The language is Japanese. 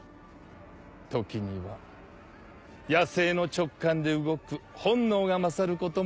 時には野性の直感で動く本能が勝ることもあります。